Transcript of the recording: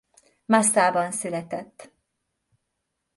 Massaban született.